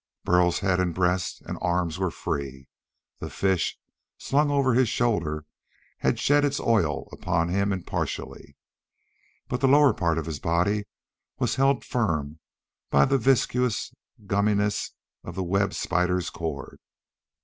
Burl's head and breast and arms were free. The fish slung over his shoulder had shed its oil upon him impartially. But the lower part of his body was held firm by the viscous gumminess of the web spider's cord.